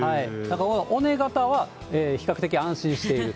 尾根型は、比較的安心している。